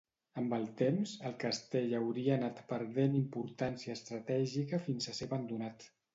Amb el temps, el castell hauria anat perdent importància estratègica fins a ser abandonat.